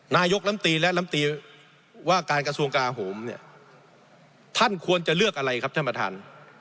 นายกลำตีและลำตีว่าการกระทรวงกราโหมเนี่ยท่านควรจะเลือกอะไรครับท่านประธาน